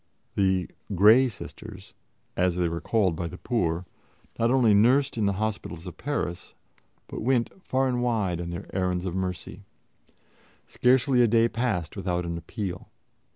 The "Grey Sisters," as they were called by the poor, not only nursed in the hospitals of Paris, but went far and wide on their errands of mercy. Scarcely a day passed without an appeal.